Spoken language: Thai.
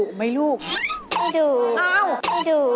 อ้าวไม่ดุเลย